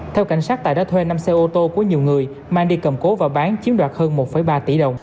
theo cảnh sát tài đã thuê năm xe ô tô của nhiều người mang đi cầm cố và bán chiếm đoạt hơn một ba tỷ đồng